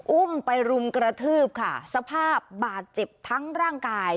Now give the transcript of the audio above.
อุ้มไปรุมกระทืบค่ะสภาพบาดเจ็บทั้งร่างกาย